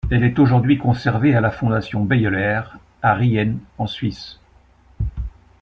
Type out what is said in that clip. Elle est aujourd'hui conservée à la fondation Beyeler, à Riehen, en Suisse.